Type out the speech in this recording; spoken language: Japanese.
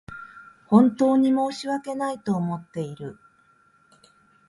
本当に申し訳ないと思っている